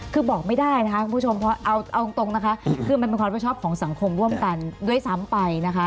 คือบอกไม่ได้นะคะคุณผู้ชมเพราะเอาตรงนะคะคือมันเป็นความผิดชอบของสังคมร่วมกันด้วยซ้ำไปนะคะ